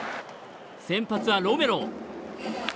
先発はロメロ。